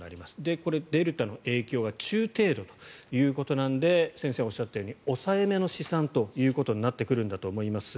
これ、デルタの影響は中程度ということなので先生がおっしゃったように抑えめの試算ということになってくるんだと思います。